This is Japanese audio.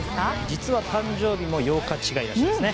実は誕生日も８日違いらしいですね。